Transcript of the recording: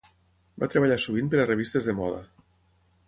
Va treballar sovint per a revistes de moda.